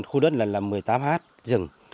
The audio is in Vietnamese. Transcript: khu đất là một mươi tám hát rừng